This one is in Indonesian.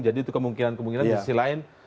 jadi itu kemungkinan kemungkinan di sisi lain